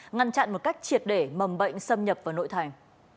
ngăn chặn một cách triệt để mầm bệnh xâm nhập vào nội thành